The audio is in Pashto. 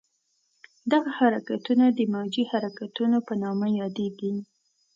دغه حرکتونه د موجي حرکتونو په نامه یادېږي.